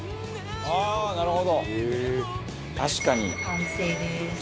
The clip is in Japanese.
完成です。